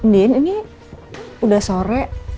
din ini udah sore